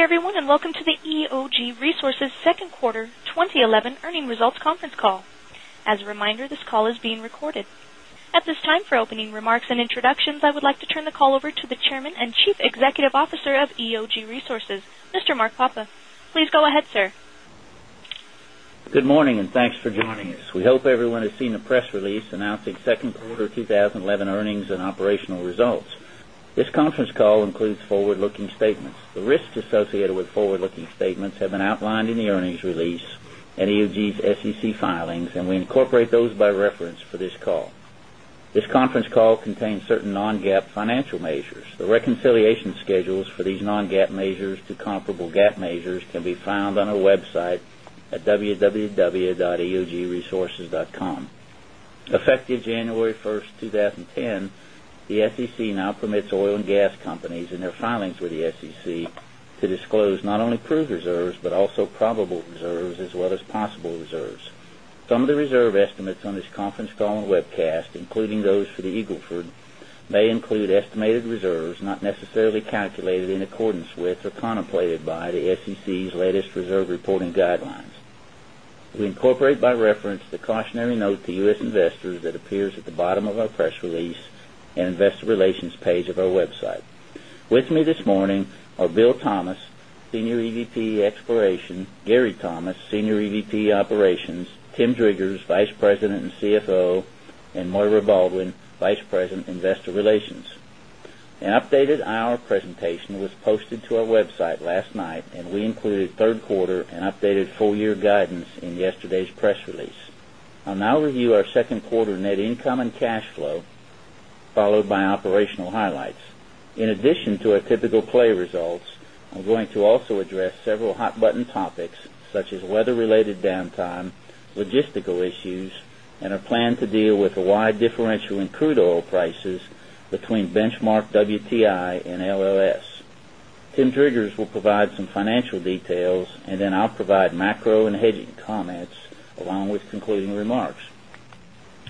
Good day, everyone, and welcome to the EOG Resources Second Quarter 2011 Earnings Results Conference Call. As a reminder, this call is being recorded. At this time, for opening remarks and introductions, I would like to turn the call over to the Chairman and Chief Executive Officer of EOG Resources, Mr. Mark Papa. Please go ahead, sir. Good morning, and thanks for joining us. We hope everyone has seen the press release announcing Second Quarter 2011 Earnings and Operational Results. This conference call includes forward-looking statements. The risks associated with forward-looking statements have been outlined in the earnings release and EOG's SEC filings, and we incorporate those by reference for this call. This conference call contains certain non-GAAP financial measures. The reconciliation schedules for these non-GAAP measures to comparable GAAP measures can be found on our website at www.eogresources.com. Effective January 1st, 2010, the SEC now permits oil and gas companies, in their filings with the SEC, to disclose not only proved reserves but also probable reserves as well as possible reserves. Some of the reserve estimates on this conference call and webcast, including those for the Eagle Ford, may include estimated reserves not necessarily calculated in accordance with or contemplated by the SEC's latest reserve reporting guidelines. We incorporate by reference the cautionary note to U.S. investors that appears at the bottom of our press release and investor relations page of our website. With me this morning are Bill Thomas, Senior EVP, Exploration; Gary Thomas, Senior EVP, Operations; Tim Driggers, Vice President and CFO; and Moira Baldwin, Vice President, Investor Relations. An updated IR presentation was posted to our website last night, and we included third quarter and updated full-year guidance in yesterday's press release. I'll now review our second quarter net income and cash flow, followed by operational highlights. In addition to our typical play results, I'm going to also address several hot-button topics such as weather-related downtime, logistical issues, and a plan to deal with a wide differential in crude oil prices between benchmark WTI and LLS. Tim Driggers will provide some financial details, and then I'll provide macro and hedging comments along with concluding remarks.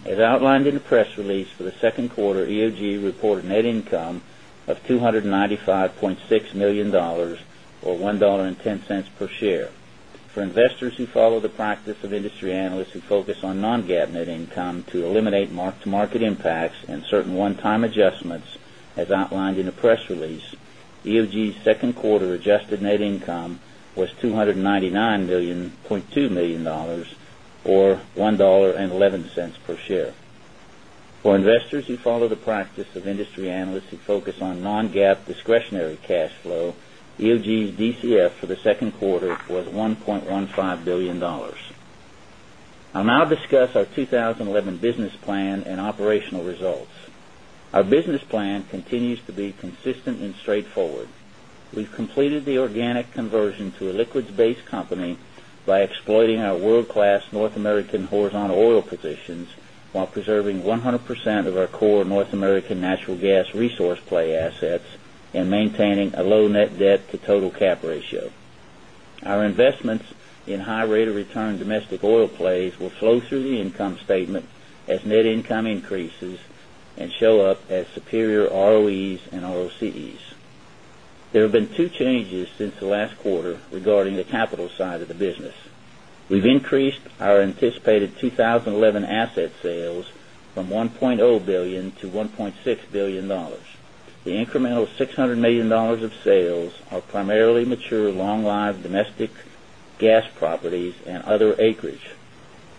As outlined in the press release for the second quarter, EOG reported net income of $295.6 million or $1.10 per share. For investors who follow the practice of industry analysts who focus on non-GAAP net income to eliminate mark-to-market impacts and certain one-time adjustments, as outlined in the press release, EOG's second quarter adjusted net income was $299.2 million or $1.11 per share. For investors who follow the practice of industry analysts who focus on non-GAAP discretionary cash flow, EOG's DCF for the second quarter was $1.15 billion. I'll now discuss our 2011 business plan and operational results. Our business plan continues to be consistent and straightforward. We've completed the organic conversion to a liquids-based company by exploiting our world-class North American horizontal oil positions while preserving 100% of our core North American natural gas resource play assets and maintaining a low net debt-to-total cap ratio. Our investments in high rate of return domestic oil plays will flow through the income statement as net income increases and show up as superior ROEs and ROCEs. There have been two changes since the last quarter regarding the capital side of the business. We've increased our anticipated 2011 asset sales from $1.0 billion-$1.6 billion. The incremental $600 million of sales are primarily mature long-lived domestic gas properties and other acreage.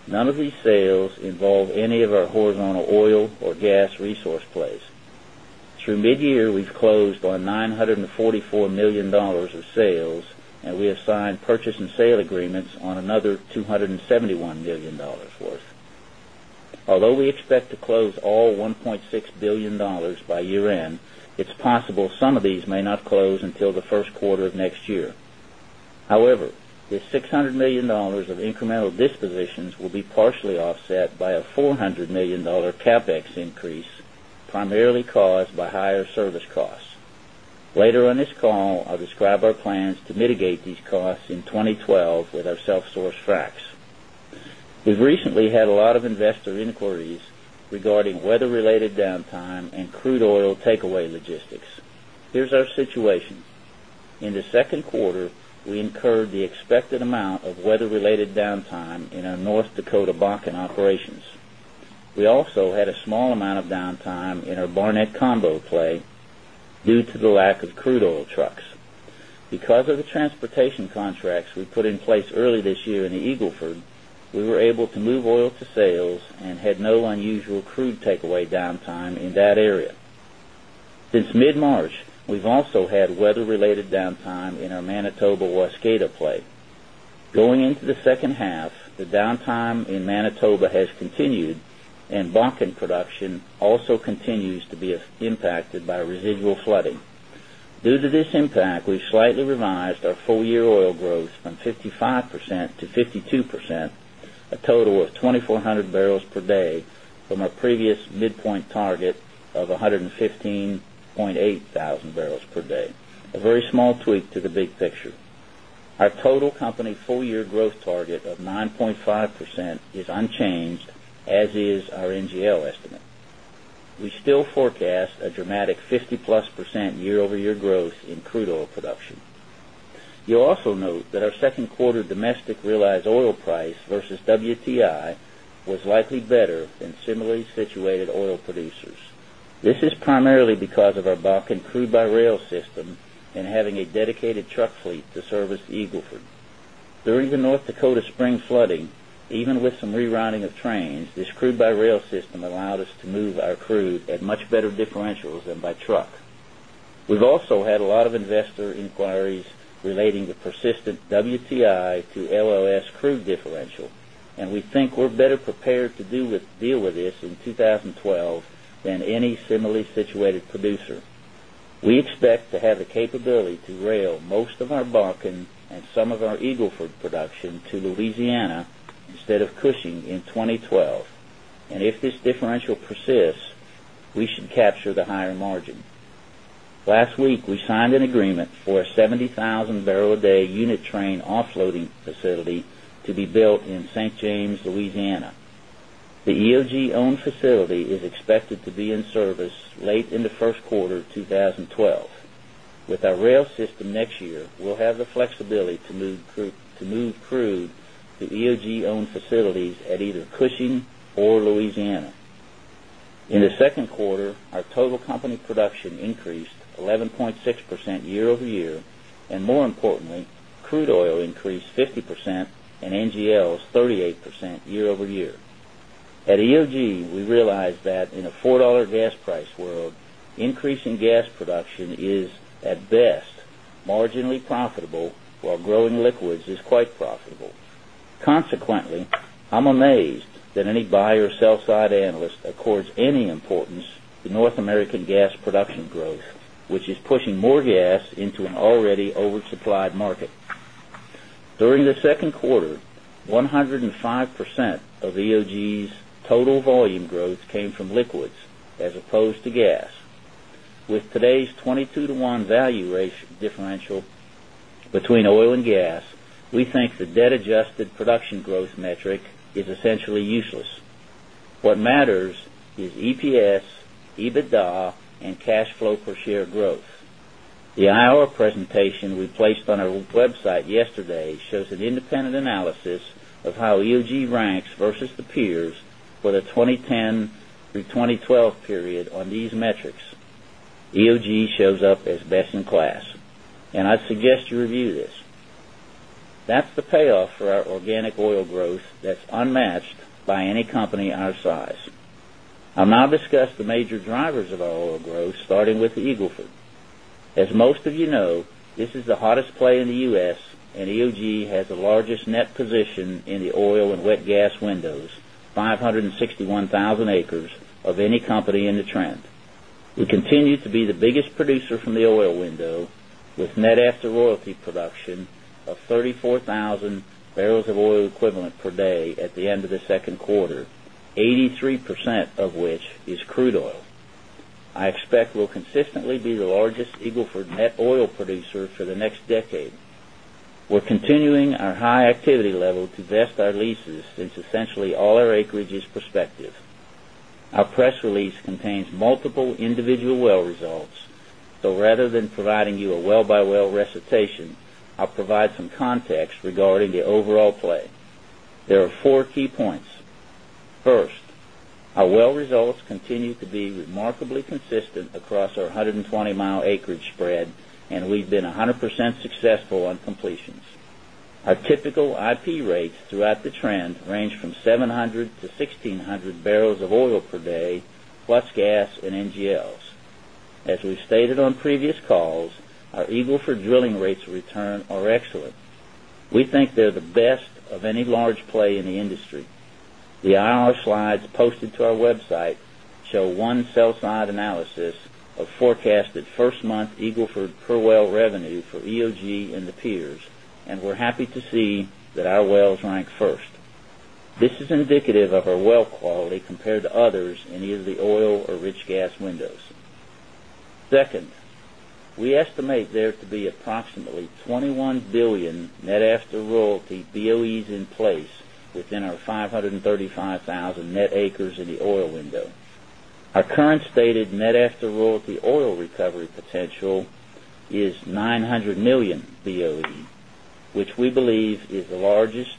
None of these sales involve any of our horizontal oil or gas resource plays. Through mid-year, we've closed on $944 million of sales, and we have signed purchase and sale agreements on another $271 million worth. Although we expect to close all $1.6 billion by year-end, it's possible some of these may not close until the First Quarter of next year. However, this $600 million of incremental dispositions will be partially offset by a $400 million capital expenditures increase, primarily caused by higher service costs. Later on this call, I'll describe our plans to mitigate these costs in 2012 with our self-sourced fracs. We've recently had a lot of investor inquiries regarding weather-related downtime and crude oil takeaway logistics. Here's our situation. In the second quarter, we incurred the expected amount of weather-related downtime in our North Dakota Bakken operations. We also had a small amount of downtime in our Barnett Combo play due to the lack of crude oil trucks. Because of the transportation contracts we put in place early this year in the Eagle Ford, we were able to move oil to sales and had no unusual crude takeaway downtime in that area. Since mid-March, we've also had weather-related downtime in our Manitoba Waskada play. Going into the second half, the downtime in Manitoba has continued, and Bakken production also continues to be impacted by residual flooding. Due to this impact, we've slightly revised our full-year oil growth from 55% to 52%, a total of 2,400 barrels per day from our previous midpoint target of 115,800 barrels per day, a very small tweak to the big picture. Our total company full-year growth target of 9.5% is unchanged, as is our NGL estimate. We still forecast a dramatic 50+% year-over-year growth in crude oil production. You'll also note that our second quarter domestic realized oil price versus WTI was likely better than similarly situated oil producers. This is primarily because of our Bakken crude by rail system and having a dedicated truck fleet to service the Eagle Ford. During the North Dakota spring flooding, even with some rerouting of trains, this crude by rail system allowed us to move our crude at much better differentials than by truck. We've also had a lot of investor inquiries relating to persistent WTI to LLS crude differential, and we think we're better prepared to deal with this in 2012 than any similarly situated producer. We expect to have the capability to rail most of our Bakken and some of our Eagle Ford production to Louisiana instead of Cushing in 2012, and if this differential persists, we should capture the higher margin. Last week, we signed an agreement for a 70,000-barrel-a-day unit train offloading facility to be built in St. James, Louisiana. The EOG-owned facility is expected to be in service late in the first quarter of 2012. With our rail system next year, we'll have the flexibility to move crude to EOG-owned facilities at either Cushing or Louisiana. In the second quarter, our total company production increased 11.6% year-over-year, and more importantly, crude oil increased 50% and NGLs 38% year-over-year. At EOG, we realized that in a $4 gas price world, increasing gas production is, at best, marginally profitable while growing liquids is quite profitable. Consequently, I'm amazed that any buy or sell side analyst accords any importance to North American gas production growth, which is pushing more gas into an already oversupplied market. During the second quarter, 105% of EOG's total volume growth came from liquids as opposed to gas. With today's 22 to 1 value rate differential between oil and gas, we think the debt-adjusted production growth metric is essentially useless. What matters is EPS, EBITDA, and cash flow per share growth. The IR presentation we placed on our website yesterday shows an independent analysis of how EOG ranks versus the peers for the 2010 through 2012 period on these metrics. EOG shows up as best in class, and I'd suggest you review this. That's the payoff for our organic oil growth that's unmatched by any company our size. I'll now discuss the major drivers of our oil growth, starting with the Eagle Ford. As most of you know, this is the hottest play in the U.S., and EOG has the largest net position in the oil and wet gas windows, 561,000 acres of any company in the trend. We continue to be the biggest producer from the oil window, with net after royalty production of 34,000 barrels of oil equivalent per day at the end of the second quarter, 83% of which is crude oil. I expect we'll consistently be the largest Eagle Ford net oil producer for the next decade. We're continuing our high activity level to vest our leases since essentially all our acreage is prospective. Our press release contains multiple individual well results, so rather than providing you a well-by-well recitation, I'll provide some context regarding the overall play. There are four key points. First, our well results continue to be remarkably consistent across our 120-mile acreage spread, and we've been 100% successful on completions. Our typical IP rates throughout the trend range from 700 to 1,600 barrels of oil per day, plus gas and NGLs. As we've stated on previous calls, our Eagle Ford drilling rates of return are excellent. We think they're the best of any large play in the industry. The IR slides posted to our website show one sell-side analysis of forecasted first-month Eagle Ford well revenue for EOG and the peers, and we're happy to see that our wells rank first. This is indicative of our well quality compared to others in either the oil or rich gas windows. Second, we estimate there to be approximately 21 billion net after royalty BOEs in place within our 535,000 net acres in the oil window. Our current stated net after royalty oil recovery potential is 900 million BOE, which we believe is the largest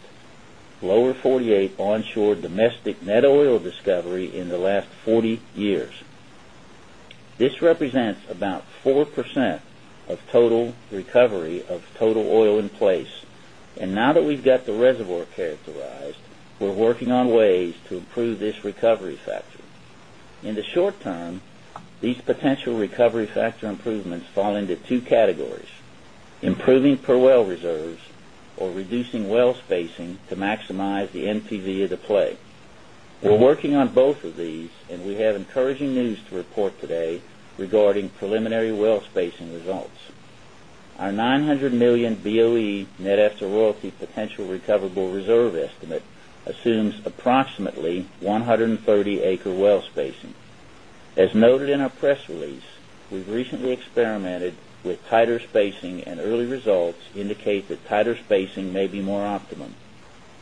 lower 48 onshore domestic net oil discovery in the last 40 years. This represents about 4% of total recovery of total oil in place, and now that we've got the reservoir characterized, we're working on ways to improve this recovery factor. In the short term, these potential recovery factor improvements fall into two categories: improving per well reserves or reducing well spacing to maximize the NPV of the play. We're working on both of these, and we have encouraging news to report today regarding preliminary well spacing results. Our 900 million BOE net after royalty potential recoverable reserve estimate assumes approximately 130-acre well spacing. As noted in our press release, we've recently experimented with tighter spacing, and early results indicate that tighter spacing may be more optimum.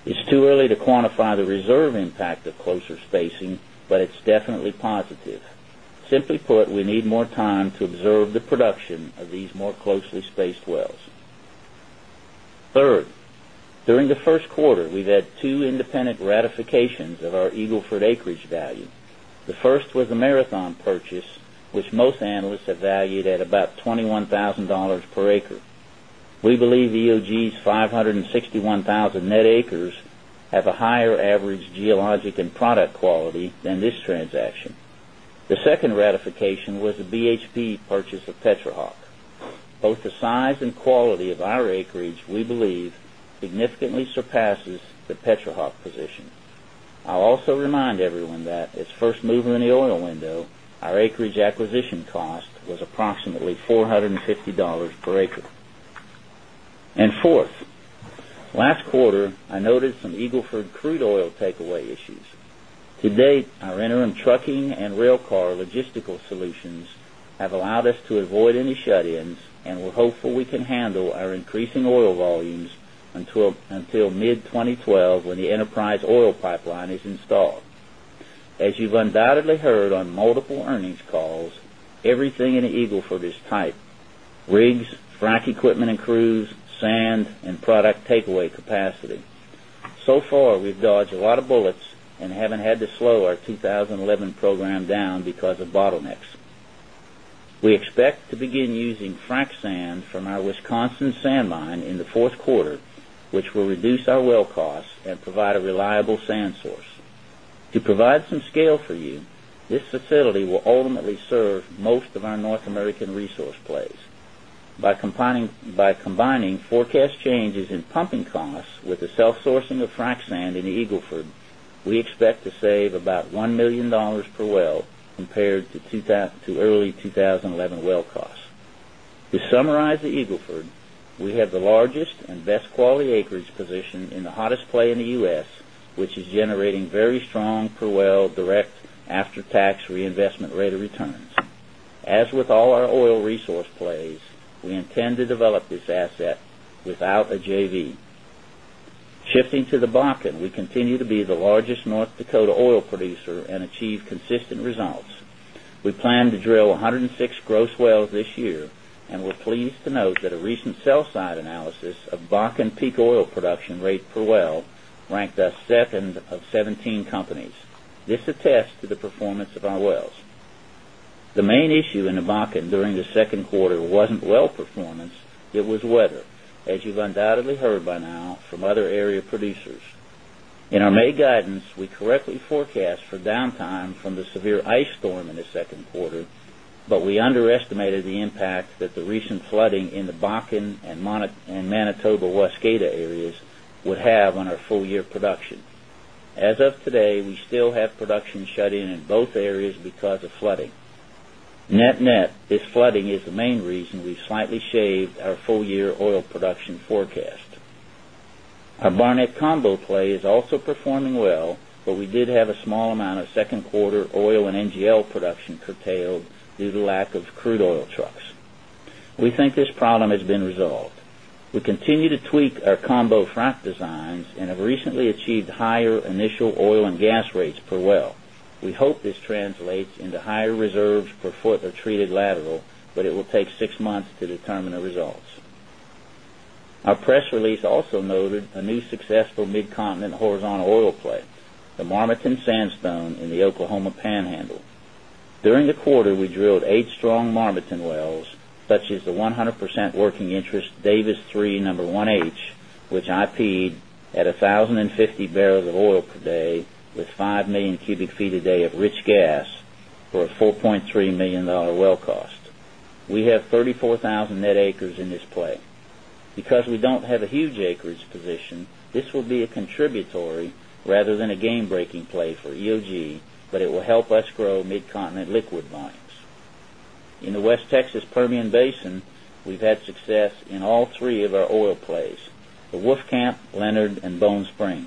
It's too early to quantify the reserve impact of closer spacing, but it's definitely positive. Simply put, we need more time to observe the production of these more closely spaced wells. Third, during the first quarter, we've had two independent ratifications of our Eagle Ford acreage value. The first was a Marathon purchase, which most analysts have valued at about $21,000 per acre. We believe EOG's 561,000 net acres have a higher average geologic and product quality than this transaction. The second ratification was the BHP purchase of Petrohawk. Both the size and quality of our acreage, we believe, significantly surpass the Petrohawk position. I'll also remind everyone that as first mover in the oil window, our acreage acquisition cost was approximately $450 per acre. Last quarter, I noted some Eagle Ford crude oil takeaway issues. To date, our interim trucking and railcar logistical solutions have allowed us to avoid any shut-ins, and we're hopeful we can handle our increasing oil volumes until mid-2012 when the Enterprise oil pipeline is installed. As you've undoubtedly heard on multiple earnings calls, everything in the Eagle Ford is tight: rigs, frac equipment and crews, sand, and product takeaway capacity. We have dodged a lot of bullets and haven't had to slow our 2011 program down because of bottlenecks. We expect to begin using frac sand from our Wisconsin sand mine in the fourth quarter, which will reduce our well costs and provide a reliable sand source. To provide some scale for you, this facility will ultimately serve most of our North American resource plays. By combining forecast changes in pumping costs with the self-sourcing of frac sand in the Eagle Ford, we expect to save about $1 million per well compared to early 2011 well costs. To summarize the Eagle Ford, we have the largest and best quality acreage position in the hottest play in the U.S., which is generating very strong per well direct after-tax reinvestment rate of returns. As with all our oil resource plays, we intend to develop this asset without a JV. Shifting to the Bakken, we continue to be the largest North Dakota oil producer and achieve consistent results. We plan to drill 106 gross wells this year, and we're pleased to note that a recent sell-side analysis of Bakken peak oil production rate per well ranked us seventh of 17 companies. This attests to the performance of our wells. The main issue in the Bakken during the second quarter wasn't well performance; it was weather, as you've undoubtedly heard by now from other area producers. In our May guidance, we correctly forecast for downtime from the severe ice storm in the second quarter, but we underestimated the impact that the recent flooding in the Bakken and Manitoba Waskata areas would have on our full-year production. As of today, we still have production shut in in both areas because of flooding. Net-net, this flooding is the main reason we've slightly shaved our full-year oil production forecast. Our Barnett Combo play is also performing well, but we did have a small amount of second quarter oil and NGL production curtailed due to lack of crude oil trucks. We think this problem has been resolved. We continue to tweak our combo frac designs and have recently achieved higher initial oil and gas rates per well. We hope this translates into higher reserves per foot of treated lateral, but it will take six months to determine the results. Our press release also noted a new successful mid-continent horizontal oil play, the Marmiton Sandstone in the Oklahoma Panhandle. During the quarter, we drilled eight strong Marmiton wells, such as the 100% working interest Davis III number 1H, which IP'd at 1,050 barrels of oil per day with 5 million cubic feet a day of rich gas for a $4.3 million well cost. We have 34,000 net acres in this play. Because we don't have a huge acreage position, this will be a contributory rather than a game-breaking play for EOG, but it will help us grow mid-continent liquid lines. In the West Texas Permian Basin, we've had success in all three of our oil plays, the Wolfcamp, Leonard, and Bone Spring.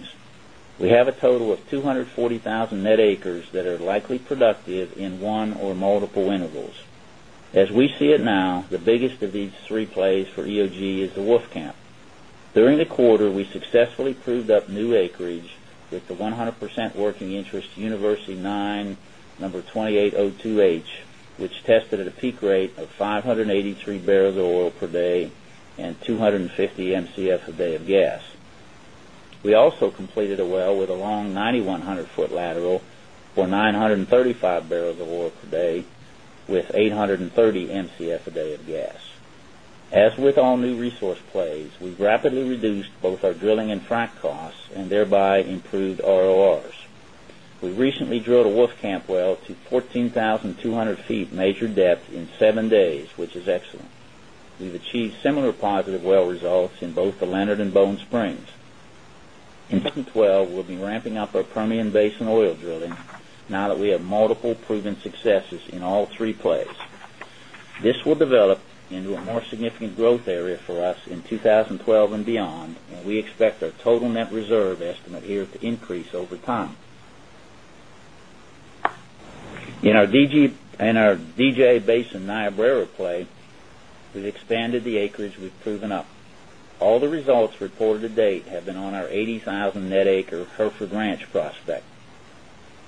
We have a total of 240,000 net acres that are likely productive in one or multiple intervals. As we see it now, the biggest of these three plays for EOG is the Wolfcamp. During the quarter, we successfully proved up new acreage with the 100% working interest University IX number 2802H, which tested at a peak rate of 583 barrels of oil per day and 250 MCF per day of gas. We also completed a well with a long 9,100-foot lateral for 935 barrels of oil per day with 830 MCF per day of gas. As with all new resource plays, we rapidly reduced both our drilling and frac costs and thereby improved RORs. We recently drilled a Wolfcamp well to 14,200 ft measured depth in seven days, which is excellent. We've achieved similar positive well results in both the Leonard and Bone Spring. In 2012, we'll be ramping up our Permian Basin oil drilling now that we have multiple proven successes in all three plays. This will develop into a more significant growth area for us in 2012 and beyond, and we expect our total net reserve estimate here to increase over time. In our DJ Basin Niobrara play, we've expanded the acreage we've proven up. All the results reported to date have been on our 80,000 net acre Hertford Ranch prospect.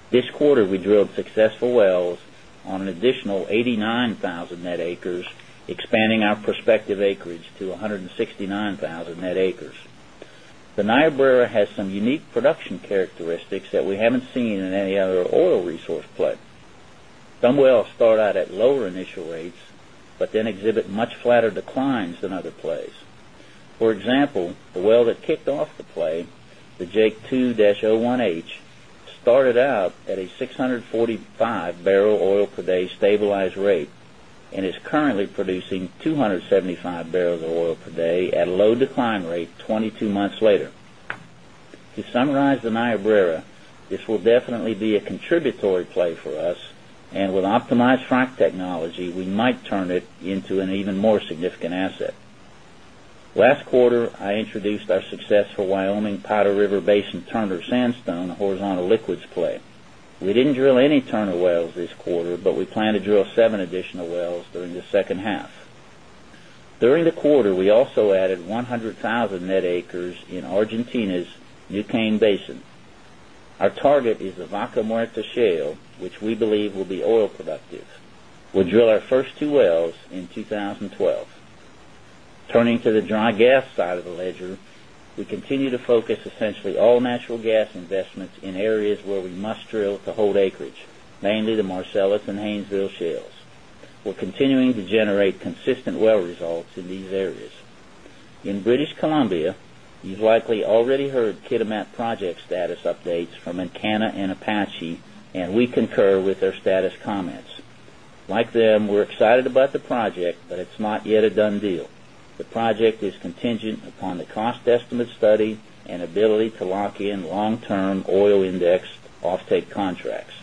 This quarter, we drilled successful wells on an additional 89,000 net acres, expanding our prospective acreage to 169,000 net acres. The Niobrara has some unique production characteristics that we haven't seen in any other oil resource play. Some wells start out at lower initial rates but then exhibit much flatter declines than other plays. For example, a well that kicked off the play, the Jake II-01H, started out at a 645 barrel oil per day stabilized rate and is currently producing 275 barrels of oil per day at a low decline rate 22 months later. To summarize the Niobrara, this will definitely be a contributory play for us, and with optimized frac technology, we might turn it into an even more significant asset. Last quarter, I introduced our successful Wyoming Powder River Basin Turner Sandstone horizontal liquids play. We didn't drill any Turner wells this quarter, but we plan to drill seven additional wells during the second half. During the quarter, we also added 100,000 net acres in Argentina's Neuquén Basin. Our target is the Vaca Muerta shale, which we believe will be oil productive. We'll drill our first two wells in 2012. Turning to the dry gas side of the ledger, we continue to focus essentially all natural gas investments in areas where we must drill to hold acreage, mainly the Marcellus and Haynesville shales. We're continuing to generate consistent well results in these areas. In British Columbia, you've likely already heard Kitimat project status updates from Encana and Apache, and we concur with their status comments. Like them, we're excited about the project, but it's not yet a done deal. The project is contingent upon the cost estimate study and ability to lock in long-term oil index offtake contracts.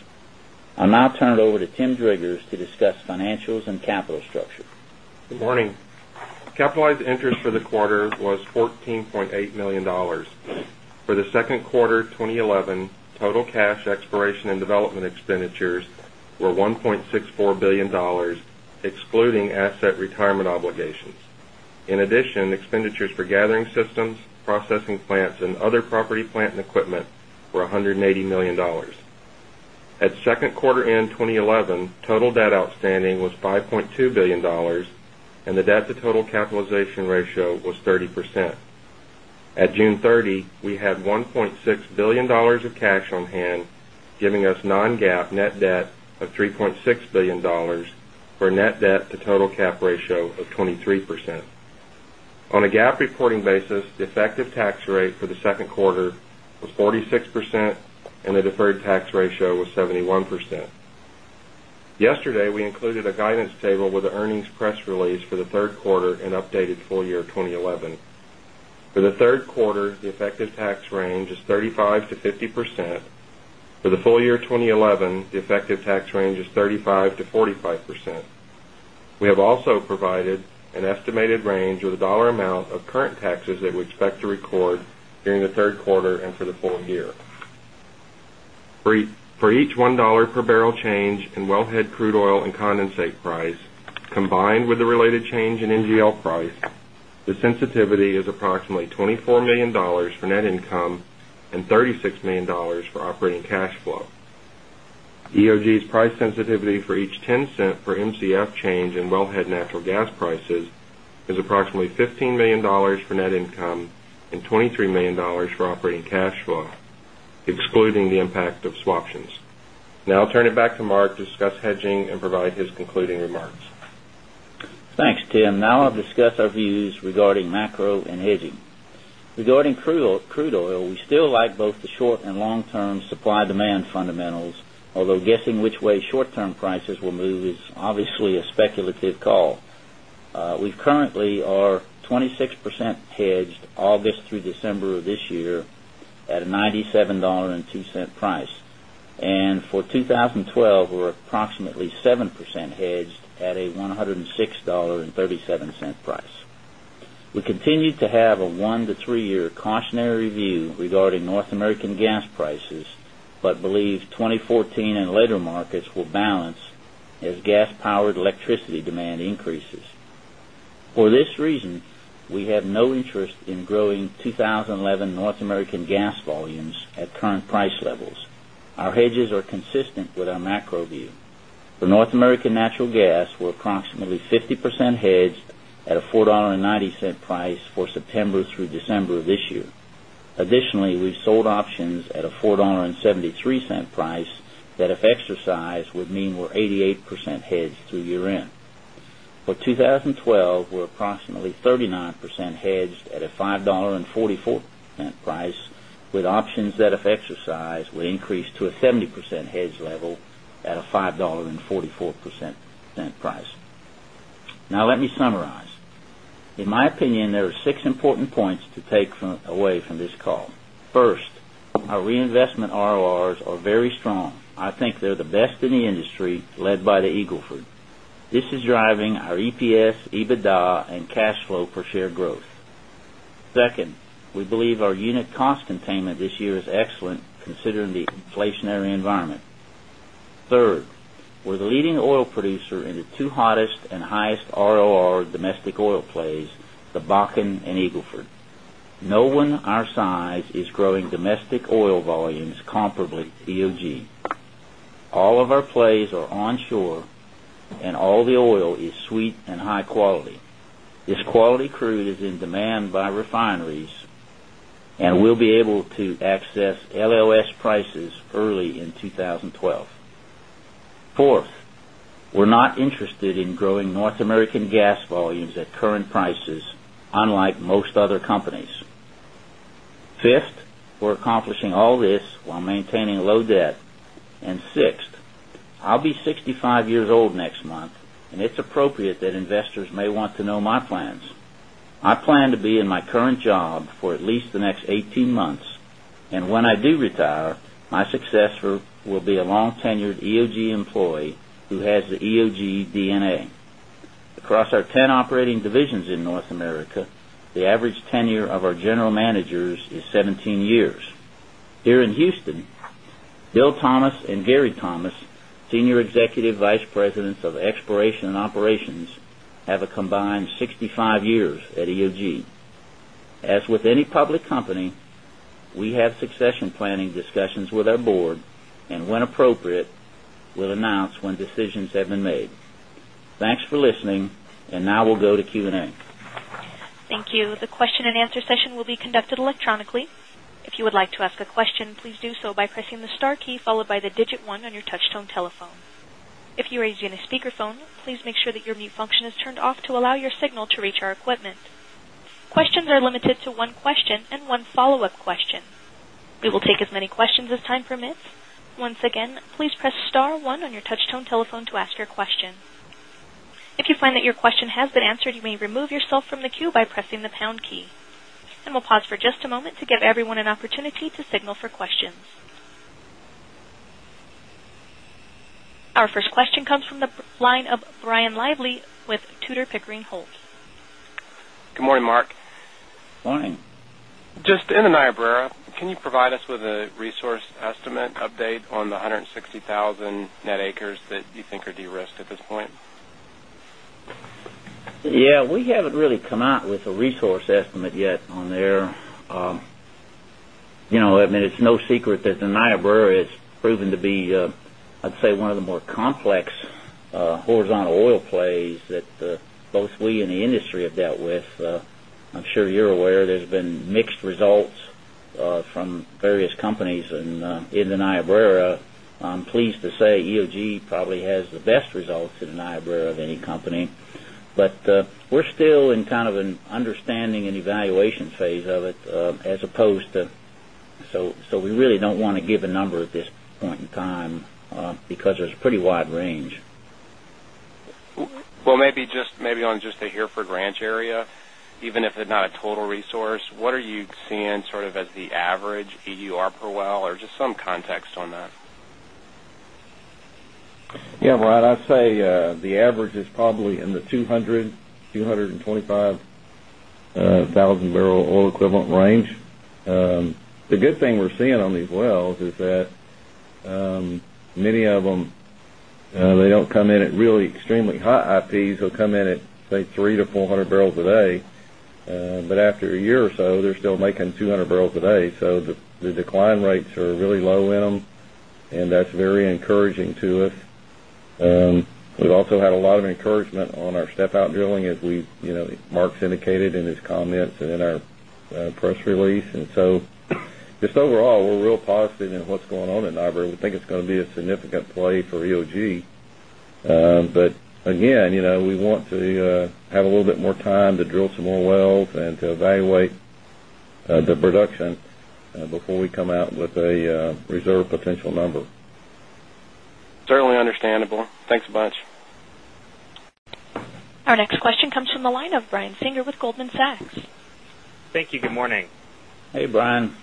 I'll now turn it over to Tim Driggers to discuss financials and capital structure. Good morning. Capitalized interest for the quarter was $14.8 million. For the second quarter 2011, total cash exploration and development expenditures were $1.64 billion, excluding asset retirement obligations. In addition, expenditures for gathering systems, processing plants, and other property, plant and equipment were $180 million. At second quarter end 2011, total debt outstanding was $5.2 billion, and the debt-to-total capitalization ratio was 30%. At June 30, we had $1.6 billion of cash on hand, giving us non-GAAP net debt of $3.6 billion for a net debt-to-total capitalization ratio of 23%. On a GAAP reporting basis, the effective tax rate for the second quarter was 46%, and the deferred tax ratio was 71%. Yesterday, we included a guidance table with the earnings press release for the third quarter and updated full-year 2011. For the third quarter, the effective tax range is 35%-50%. For the full-year 2011, the effective tax range is 35%-45%. We have also provided an estimated range with a dollar amount of current taxes that we expect to record during the third quarter and for the full year. For each $1 per barrel change in wellhead crude oil and condensate price, combined with the related change in NGL price, the sensitivity is approximately $24 million for net income and $36 million for operating cash flow. EOG's price sensitivity for each $0.10 per MCF change in wellhead natural gas prices is approximately $15 million for net income and $23 million for operating cash flow, excluding the impact of swaptions. Now I'll turn it back to Mark to discuss hedging and provide his concluding remarks. Thanks, Tim. Now I'll discuss our views regarding macro and hedging. Regarding crude oil, we still like both the short and long-term supply-demand fundamentals, although guessing which way short-term prices will move is obviously a speculative call. We currently are 26% hedged August through December of this year at a $97.02 price, and for 2012, we're approximately 7% hedged at a $106.37 price. We continue to have a one-to-three-year cautionary view regarding North American gas prices, but believe 2014 and later markets will balance as gas-powered electricity demand increases. For this reason, we have no interest in growing 2011 North American gas volumes at current price levels. Our hedges are consistent with our macro view. For North American natural gas, we're approximately 50% hedged at a $4.90 price for September through December of this year. Additionally, we've sold options at a $4.73 price that, if exercised, would mean we're 88% hedged through year-end. For 2012, we're approximately 39% hedged at a $5.44 price, with options that, if exercised, would increase to a 70% hedge level at a $5.44 price. Now let me summarize. In my opinion, there are six important points to take away from this call. First, our reinvestment RORs are very strong. I think they're the best in the industry, led by the Eagle Ford; this is driving our EPS, EBITDA, and cash flow per share growth. Second, we believe our unit cost containment this year is excellent considering the inflationary environment. Third, we're the leading oil producer in the two hottest and highest ROR domestic oil plays, the Bakken and Eagle Ford. No one our size is growing domestic oil volumes comparably to EOG. All of our plays are onshore, and all the oil is sweet and high quality. This quality crude is in demand by refineries, and we'll be able to access LLS prices early in 2012. Fourth, we're not interested in growing North American gas volumes at current prices, unlike most other companies. Fifth, we're accomplishing all this while maintaining low debt. Sixth, I'll be 65 years old next month, and it's appropriate that investors may want to know my plans. I plan to be in my current job for at least the next 18 months, and when I do retire, my successor will be a long-tenured EOG employee who has the EOG DNA. Across our 10 operating divisions in North America, the average tenure of our general managers is 17 years. Here in Houston, Bill Thomas and Gary Thomas, Senior Executive Vice Presidents of Exploration and Operations, have a combined 65 years at EOG. As with any public company, we have succession planning discussions with our board, and when appropriate, we'll announce when decisions have been made. Thanks for listening, and now we'll go to Q&A. Thank you. The question and answer session will be conducted electronically. If you would like to ask a question, please do so by pressing the star key followed by the digit one on your touch-tone telephone. If you are using a speakerphone, please make sure that your mute function is turned off to allow your signal to reach our equipment. Questions are limited to one question and one follow-up question. We will take as many questions as time permits. Once again, please press star one on your touch-tone telephone to ask your question. If you find that your question has been answered, you may remove yourself from the queue by pressing the pound key. We'll pause for just a moment to give everyone an opportunity to signal for questions. Our first question comes from the line of Brian Lively with Tudor, Pickering, Holt. Good morning, Mark. Morning. Just in the Niobrara, can you provide us with a resource estimate update on the 160,000 net acres that you think are de-risked at this point? Yeah, we haven't really come out with a resource estimate yet on there. I mean, it's no secret that the Niobrara has proven to be, I'd say, one of the more complex horizontal oil plays that both we in the industry have dealt with. I'm sure you're aware there's been mixed results from various companies in the Niobrara. I'm pleased to say EOG probably has the best results in the Niobrara of any company, but we're still in kind of an understanding and evaluation phase of it as opposed to, so we really don't want to give a number at this point in time because there's a pretty wide range. Maybe just on the Hereford Ranch area, even if it's not a total resource, what are you seeing sort of as the average EUR per well or just some context on that? I'd say the average is probably in the 200,000 to 225,000 barrel oil equivalent range. The good thing we're seeing on these wells is that many of them don't come in at really extremely high IPs. They'll come in at, say, 300 to 400 barrels a day, but after a year or so, they're still making 200 barrels a day. The decline rates are really low in them, and that's very encouraging to us. We've also had a lot of encouragement on our step-out drilling as Mark indicated in his comments and in our press release. Overall, we're real positive in what's going on at Niobrara. We think it's going to be a significant play for EOG. Again, we want to have a little bit more time to drill some more wells and to evaluate the production before we come out with a reserve potential number. Certainly understandable. Thanks a bunch. Our next question comes from the line of Brian Singer with Goldman Sachs. Thank you. Good morning. Hey, Brian.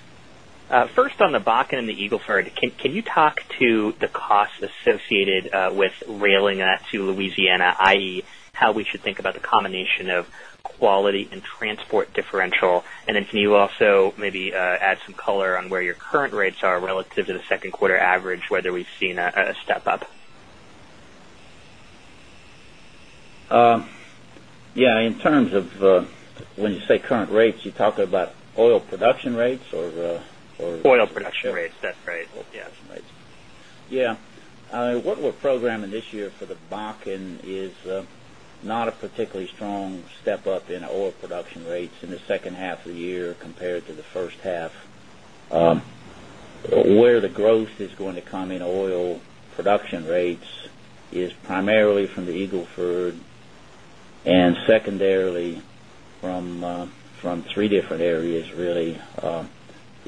First, on the Bakken and the Eagle Ford, can you talk to the costs associated with railing that to Louisiana, i.e., how we should think about the combination of quality and transport differential? Can you also maybe add some color on where your current rates are relative to the second quarter average, whether we've seen a step up? Yeah, in terms of when you say current rates, you're talking about oil production rates or? Oil production rates. That's right. Yeah. What we're programming this year for the Bakken is not a particularly strong step up in our oil production rates in the second half of the year compared to the first half. Where the growth is going to come in oil production rates is primarily from the Eagle Ford and secondarily from three different areas, really.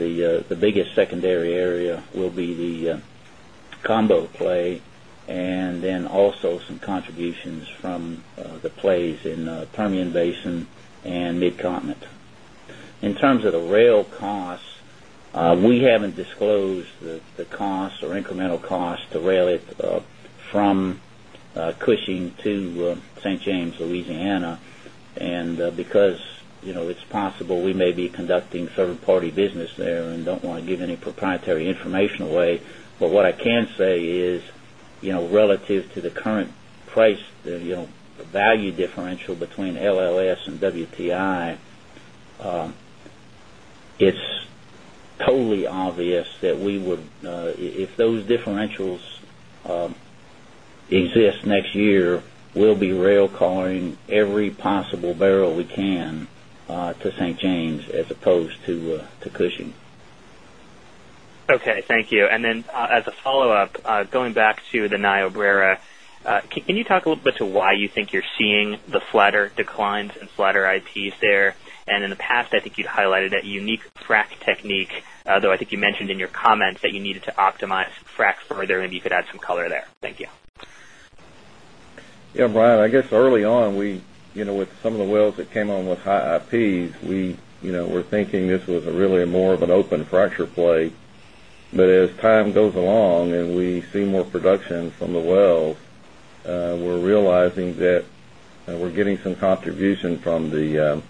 The biggest secondary area will be the combo play and then also some contributions from the plays in the Permian Basin and Mid-Continent. In terms of the rail costs, we haven't disclosed the cost or incremental cost to rail it from Cushing to St. James, Louisiana, because it's possible we may be conducting third-party business there and don't want to give any proprietary information away. What I can say is, relative to the current price, value differential between LLS and WTI, it's totally obvious that we would, if those differentials exist next year, we'll be rail calling every possible barrel we can to St. James as opposed to Cushing. Okay. Thank you. As a follow-up, going back to the Niobrara, can you talk a little bit to why you think you're seeing the flatter declines and flatter IPs there? In the past, I think you'd highlighted that unique frac technique, though I think you mentioned in your comments that you needed to optimize frac further and you could add some color there. Thank you. Yeah, Brian, early on, we, with some of the wells that came on with high IPs, we were thinking this was really more of an open fracture play. As time goes along and we see more production from the wells, we're realizing that we're getting some contribution from the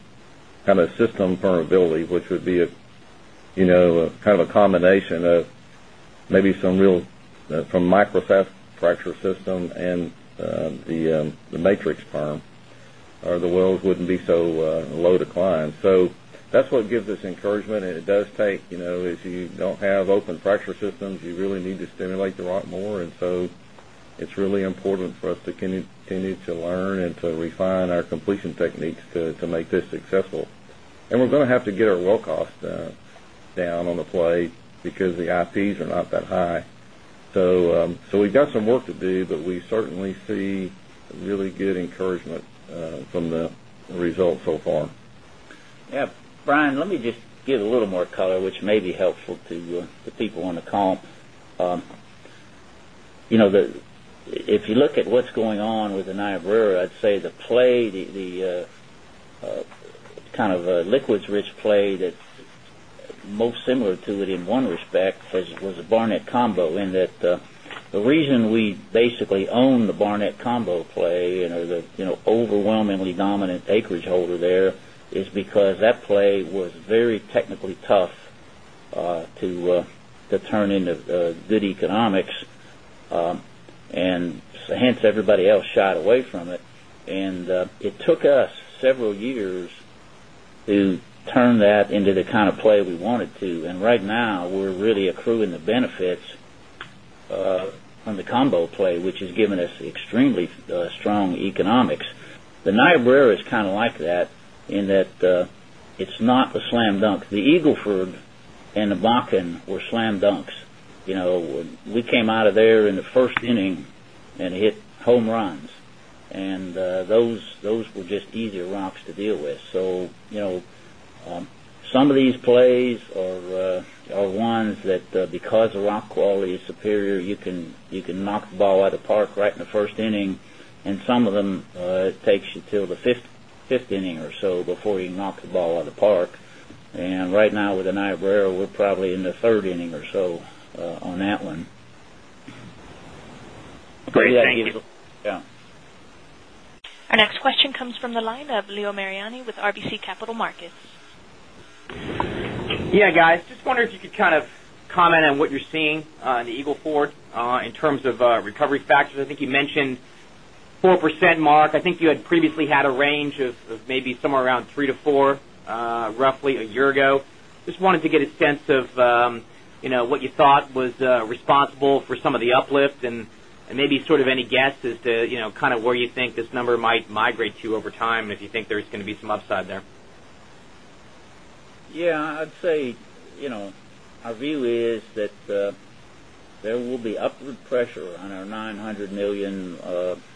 kind of system permeability, which would be a combination of maybe some real from micro fracture system and the matrix perm, or the wells wouldn't be so low decline. That's what gives us encouragement. It does take, as you don't have open fracture systems, you really need to stimulate the rock more. It's really important for us to continue to learn and to refine our completion techniques to make this successful. We're going to have to get our well cost down on the play because the IPs are not that high. We've got some work to do, but we certainly see really good encouragement from the results so far. Yeah, Brian, let me just give a little more color, which may be helpful to the people on the call. You know, if you look at what's going on with the Niobrara, I'd say the play, the kind of liquids-rich play that's most similar to it in one respect, is the Barnett Combo, in that the reason we basically own the Barnett Combo play and are the, you know, overwhelmingly dominant acreage holder there is because that play was very technically tough to turn into good economics. Hence, everybody else shied away from it. It took us several years to turn that into the kind of play we wanted to. Right now, we're really accruing the benefits on the combo play, which has given us extremely strong economics. The Niobrara is kind of like that in that it's not a slam dunk. The Eagle Ford and the Bakken were slam dunks. You know, we came out of there in the first inning and hit home runs. Those were just easier rocks to deal with. Some of these plays are ones that, because the rock quality is superior, you can knock the ball out of the park right in the first inning. Some of them, it takes you till the fifth inning or so before you knock the ball out of the park. Right now, with the Niobrara, we're probably in the third inning or so on that one. Great. Thank you. Our next question comes from the line of Leo Mariani with RBC Capital Markets. Yeah, guys, just wondering if you could kind of comment on what you're seeing in the Eagle Ford in terms of recovery factors. I think you mentioned 4%. I think you had previously had a range of maybe somewhere around 3%-4% roughly a year ago. Just wanted to get a sense of what you thought was responsible for some of the uplift and maybe sort of any guess as to where you think this number might migrate to over time and if you think there's going to be some upside there. Yeah, I'd say our view is that there will be upward pressure on our $900 million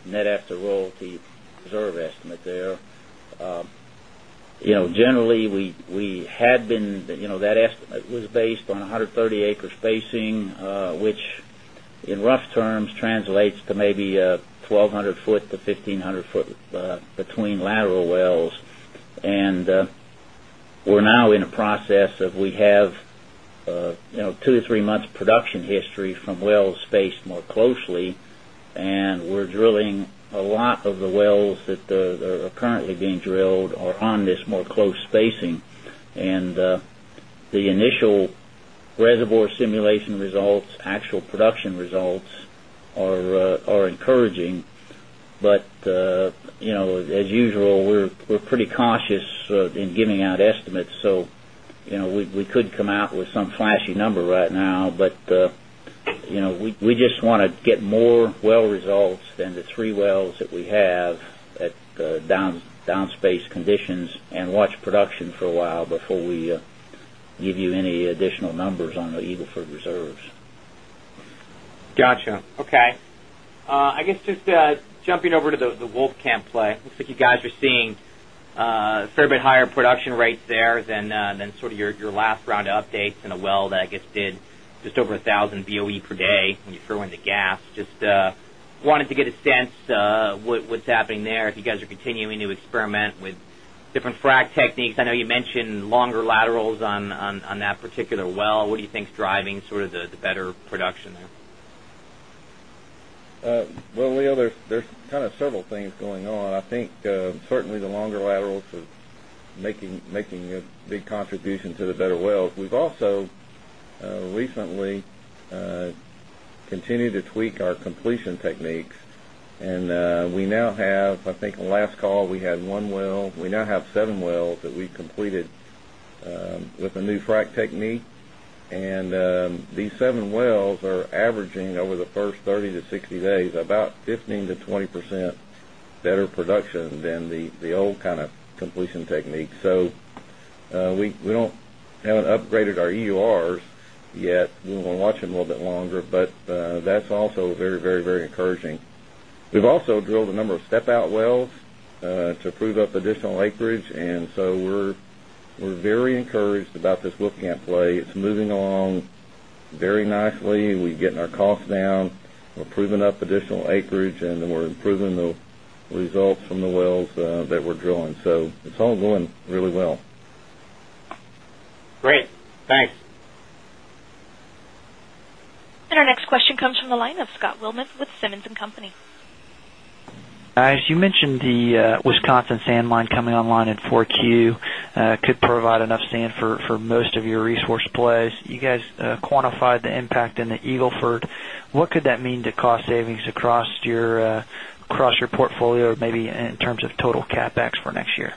net after royalty reserve estimate there. Generally, that estimate was based on 130-acre spacing, which in rough terms translates to maybe 1,200 foot to 1,500 foot between lateral wells. We're now in a process of having two to three months production history from wells spaced more closely. We're drilling a lot of the wells that are currently being drilled on this more close spacing. The initial reservoir simulation results and actual production results are encouraging. As usual, we're pretty cautious in giving out estimates. We couldn't come out with some flashy number right now. We just want to get more well results than the three wells that we have at downspaced conditions and watch production for a while before we give you any additional numbers on the Eagle Ford reserves. Gotcha. Okay. I guess just jumping over to the Wolfcamp play, it looks like you guys are seeing a fair bit higher production rates there than sort of your last round of updates in a well that I guess did just over 1,000 BOE per day when you throw in the gas. Just wanted to get a sense of what's happening there, if you guys are continuing to experiment with different frac techniques. I know you mentioned longer laterals on that particular well. What do you think is driving sort of the better production there? There are kind of several things going on. I think certainly the longer laterals are making a big contribution to the better wells. We've also recently continued to tweak our completion techniques. We now have, I think on the last call, we had one well. We now have seven wells that we've completed with a new frac technique. These seven wells are averaging over the first 30 to 60 days about 15%-20% better production than the old kind of completion technique. We haven't upgraded our EURs yet. We want to watch them a little bit longer, but that's also very, very, very encouraging. We've also drilled a number of step-out wells to prove up additional acreage. We are very encouraged about this Wolfcamp play. It's moving along very nicely. We're getting our costs down, we're proving up additional acreage, and we're improving the results from the wells that we're drilling. It's all going really well. Great. Thanks. Our next question comes from the line of Scott Wilmoth with Simmons & Company. As you mentioned, the Wisconsin sand mine coming online in 4Q could provide enough sand for most of your resource plays. You guys quantified the impact in the Eagle Ford. What could that mean to cost savings across your portfolio, maybe in terms of total CapEx for next year?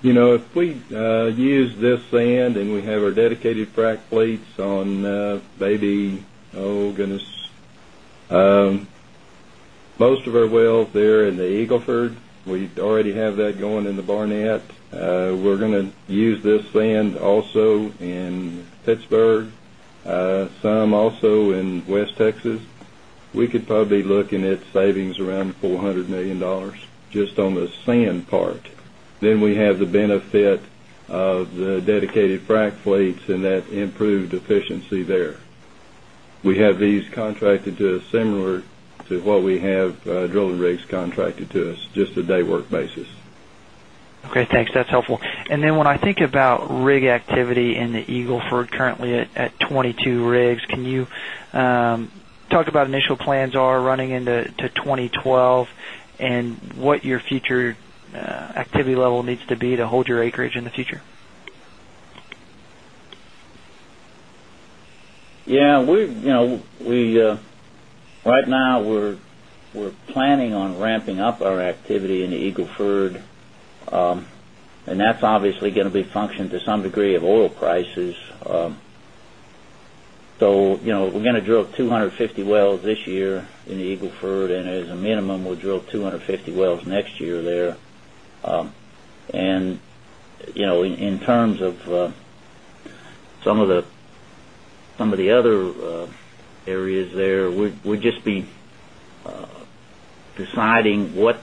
You know, if we use this sand and we have our dedicated frac fleets on maybe, oh, goodness, most of our wells there in the Eagle Ford, we already have that going in the Barnett. We're going to use this sand also in Pittsburgh, some also in West Texas. We could probably be looking at savings around $400 million just on the sand part. We have the benefit of the dedicated frac fleets and that improved efficiency there. We have these contracted to us similar to what we have drilling rigs contracted to us, just a day-work basis. Okay. Thanks. That's helpful. When I think about rig activity in the Eagle Ford, currently at 22 rigs, can you talk about initial plans running into 2012 and what your future activity level needs to be to hold your acreage in the future? Yeah, right now we're planning on ramping up our activity in the Eagle Ford, and that's obviously going to be a function to some degree of oil prices. We're going to drill 250 wells this year in the Eagle Ford, and as a minimum, we'll drill 250 wells next year there. In terms of some of the other areas there, we're just deciding what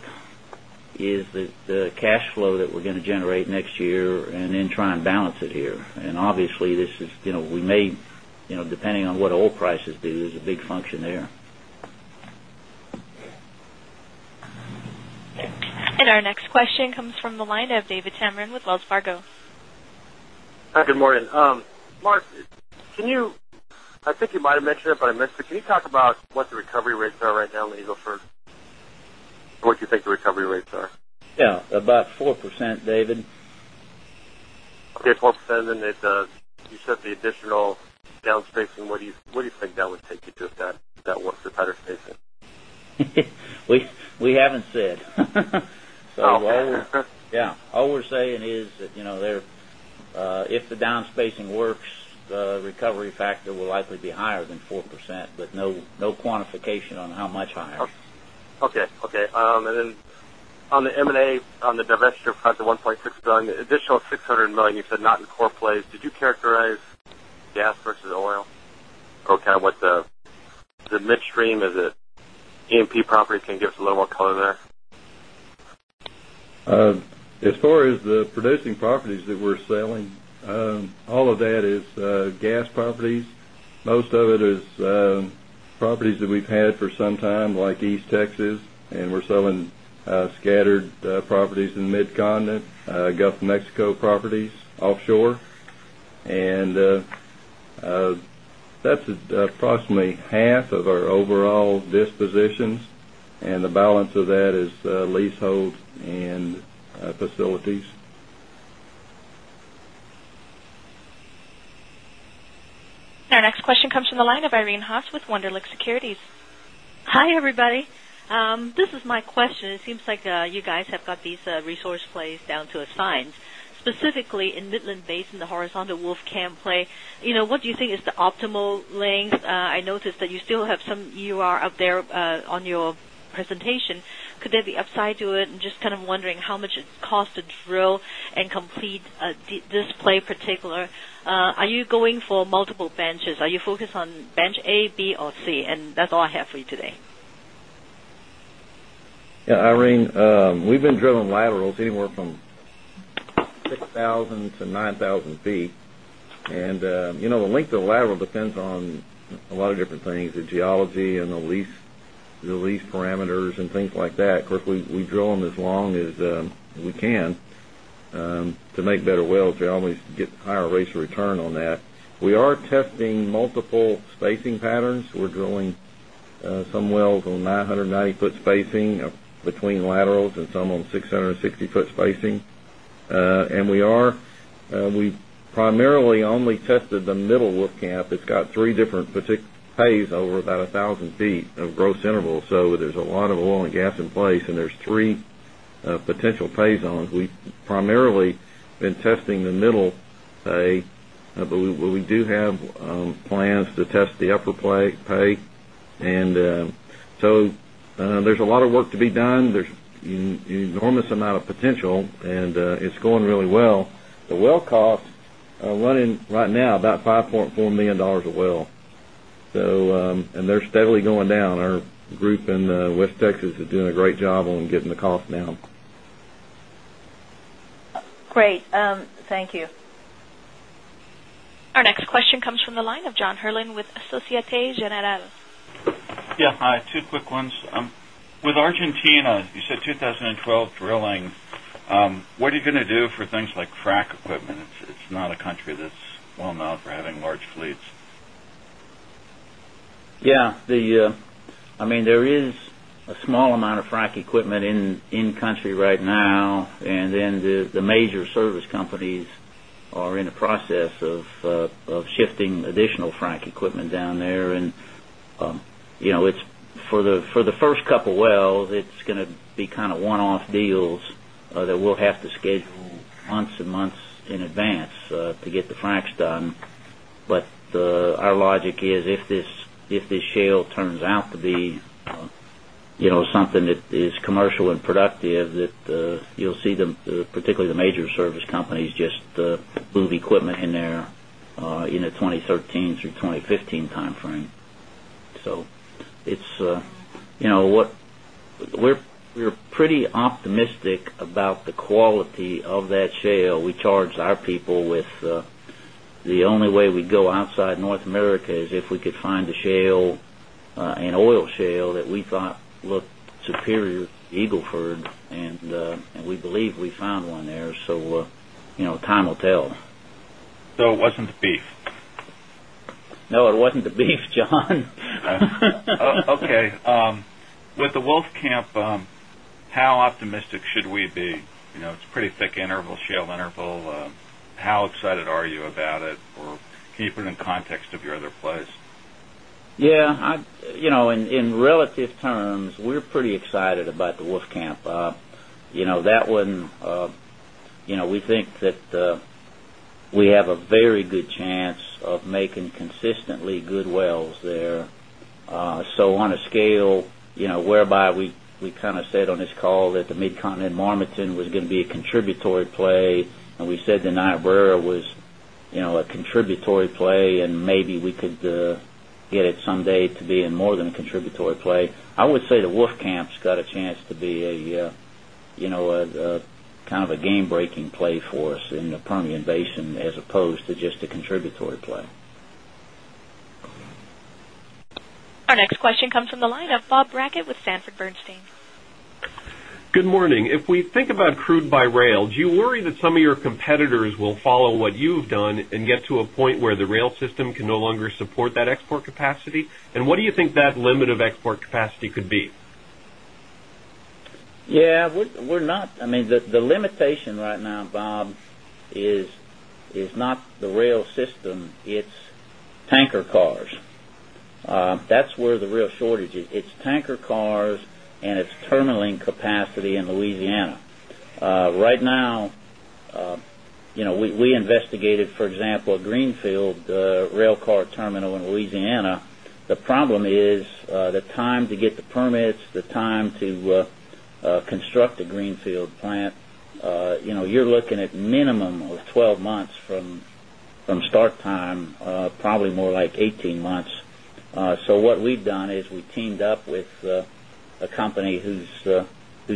is the cash flow that we're going to generate next year and then try and balance it here. Obviously, this is, you know, we may, depending on what oil prices do, there's a big function there. Our next question comes from the line of David Tameron with Wells Fargo. Hi, good morning. Mark, can you, I think you might have mentioned it, but I missed it. Can you talk about what the recovery rates are right now in the Eagle Ford and what do you think the recovery rates are? Yeah, about 4%, David. Okay, 4%. You said the additional downspacing. What do you think that would take you to if that was the tighter spacing? We haven't said. All we're saying is that, you know, if the downspacing works, the recovery factor will likely be higher than 4%, but no quantification on how much higher. Okay. On the M&A, on the divestiture project, the $1.6 billion, the additional $600 million you said not in core plays, did you characterize gas versus oil? On the midstream, is it E&P property? Can you give us a little more color there. As far as the producing properties that we're selling, all of that is gas properties. Most of it is properties that we've had for some time, like East Texas, and we're selling scattered properties in the Mid-Continent, Gulf of Mexico properties offshore. That's approximately half of our overall dispositions, and the balance of that is leaseholds and facilities. Our next question comes from the line of Irene Haas with Wunderlich Securities. Hi everybody. This is my question. It seems like you guys have got these resource plays down to a science. Specifically in Midland Basin in the horizontal Wolfcamp play, you know, what do you think is the optimal length? I noticed that you still have some EUR up there on your presentation. Could there be upside to it? Just kind of wondering how much it's cost to drill and complete this play in particular. Are you going for multiple benches? Are you focused on bench A, B, or C? That's all I have for you today. Yeah, Irene, we've been drilling laterals anywhere from 6,000 to 9,000 ft. The length of the lateral depends on a lot of different things, the geology and the lease parameters and things like that. Of course, we drill them as long as we can to make better wells. We always get higher rates of return on that. We are testing multiple spacing patterns. We're drilling some wells on 990-foot spacing between laterals and some on 660-foot spacing. We primarily only tested the middle Wolfcamp. It's got three different pays over that 1,000 ft of gross interval. There's a lot of oil and gas in place, and there's three potential pays on. We've primarily been testing the middle pay, but we do have plans to test the upper pay. There's a lot of work to be done. There's an enormous amount of potential, and it's going really well. The well costs are running right now about $5.4 million a well, and they're steadily going down. Our group in West Texas is doing a great job on getting the cost down. Great, thank you. Our next question comes from the line of John Herrlin with Societe Generale. Yeah, hi. Two quick ones. With Argentina, you said 2012 drillings. What are you going to do for things like frack equipment? It's not a country that's well known for having large fleets. I mean, there is a small amount of frack equipment in-country right now. The major service companies are in the process of shifting additional frack equipment down there. For the first couple of wells, it's going to be kind of one-off deals that we'll have to schedule months and months in advance to get the fracks done. Our logic is if this shale turns out to be something that is commercial and productive, you'll see particularly the major service companies just move equipment in there in the 2013 through 2015 timeframe. We're pretty optimistic about the quality of that shale. We charge our people with the only way we go outside North America is if we could find a shale, an oil shale that we thought looked superior to the Eagle Ford, and we believe we found one there. Time will tell. It wasn't the beef. No, it wasn't the beef, John. Okay. With the Wolfcamp, how optimistic should we be? You know, it's a pretty thick shale interval. How excited are you about it, or can you put it in context of your other plays? Yeah, in relative terms, we're pretty excited about the Wolfcamp. That one, we think that we have a very good chance of making consistently good wells there. On a scale, whereby we kind of said on this call that the mid-continent Marmington was going to be a contributory play, and we said the Niobrara was a contributory play, and maybe we could get it someday to be more than a contributory play. I would say the Wolfcamp's got a chance to be a kind of game-breaking play for us in the Permian Basin as opposed to just a contributory play. Our next question comes from the line of Bob Brackett with Sanford Bernstein. Good morning. If we think about crude by rail, do you worry that some of your competitors will follow what you've done and get to a point where the rail system can no longer support that export capacity? What do you think that limit of export capacity could be? Yeah, we're not, I mean, the limitation right now, Bob, is not the rail system. It's tanker cars. That's where the real shortage is. It's tanker cars and it's terminaling capacity in Louisiana. Right now, you know, we investigated, for example, a Greenfield rail car terminal in Louisiana. The problem is the time to get the permits, the time to construct a Greenfield plant. You know, you're looking at a minimum of 12 months from start time, probably more like 18 months. What we've done is we teamed up with a company who's